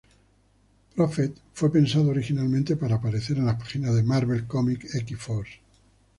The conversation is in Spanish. Prophet fue pensado originalmente para aparecer en las páginas de Marvel Comics 'X-Force.